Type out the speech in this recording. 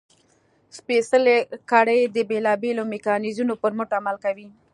سپېڅلې کړۍ د بېلابېلو میکانیزمونو پر مټ عمل کوي.